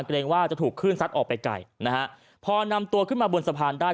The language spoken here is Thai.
เกรงว่าจะถูกคลื่นซัดออกไปไกลนะฮะพอนำตัวขึ้นมาบนสะพานได้